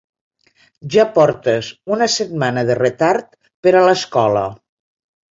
Ja portes una setmana de retard per a l'escola.